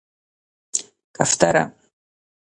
🕊 کفتره